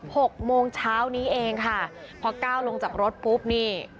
หกโมงเช้านี้เองค่ะพอก้าวลงจากรถปุ๊บนี่